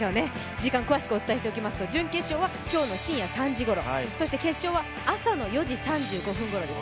時間詳しくお伝えしておきますと準決勝は今日の深夜３時ごろ、そして決勝は朝の４時３５分ごろです。